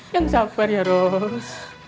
yang sabar ya rose